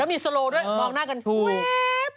แล้วมีสโลโร์มองหน้ากันแบบนะ